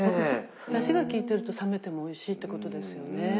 だしがきいてると冷めてもおいしいってことですよね。